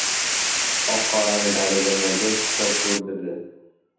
Oq-qorani taniganlarga kitob ko‘rdirdi.